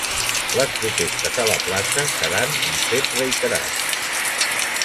Les protestes a la plaça seran un fet reiterat.